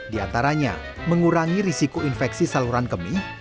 di antaranya mengurangi risiko infeksi saluran kemih